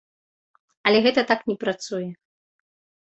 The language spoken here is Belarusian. Але гэта так не працуе.